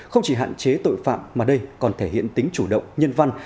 không chỉ hạn chế tội phạm mà đây còn thể hiện tính chủ động nhân văn